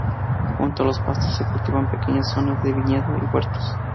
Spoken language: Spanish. Junto a los pastos, se cultivan pequeñas zonas de viñedo y huertos.